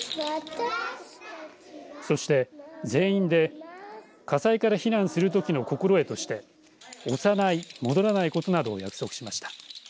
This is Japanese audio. そして全員で火災から避難するときの心得として押さない、戻らないことなどを約束しました。